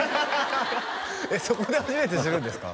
そこで初めて知るんですか？